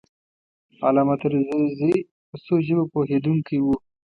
علامه طرزی په څو ژبو پوهېدونکی و.